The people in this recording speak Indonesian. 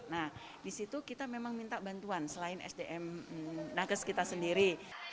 nah di situ kita memang minta bantuan selain sdm nages kita sendiri